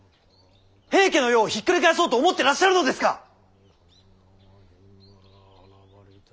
平家の世をひっくり返そうと思ってらっしゃるのですか！